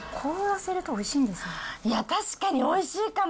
いや、確かにおいしいかも。